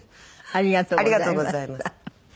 ありがとうございます。